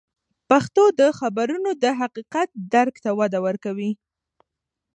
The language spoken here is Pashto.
پښتو د خبرونو د حقیقت درک ته وده ورکوي.